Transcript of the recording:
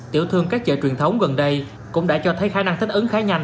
tiểu thương các chợ truyền thống gần đây cũng đã cho thấy khả năng thích ứng khá nhanh